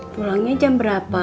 pulangnya jam berapa